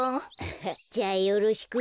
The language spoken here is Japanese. じゃあよろしく。